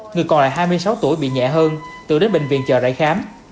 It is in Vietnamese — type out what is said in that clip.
người còn lại hai mươi sáu tuổi bị nhẹ hơn tự đến bệnh viện chờ rải khám